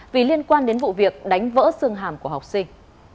vì liên quan đến vụ việc đánh vỡ xương hàm của học sinh